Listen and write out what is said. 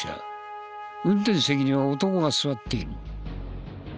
運転席には男が座っている。